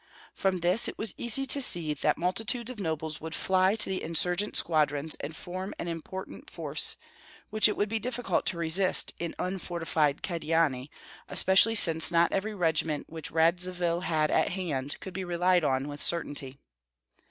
From this it was easy to see that multitudes of nobles would fly to the insurgent squadrons and form an important force, which it would be difficult to resist in unfortified Kyedani, especially since not every regiment which Radzivill had at hand could be relied on with certainty.